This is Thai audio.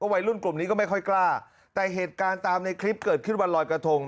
วัยรุ่นกลุ่มนี้ก็ไม่ค่อยกล้าแต่เหตุการณ์ตามในคลิปเกิดขึ้นวันลอยกระทง